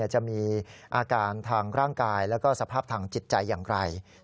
จะมีอาการทางร่างกายแล้วก็สภาพทางจิตใจอย่างไร